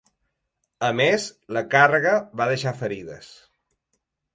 A més, la càrrega va deixar ferides.